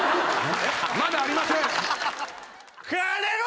まだありません！